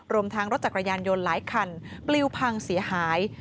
รวมทั้งรถจักรยานยนต์หลายคันปลิวพังเสียหาย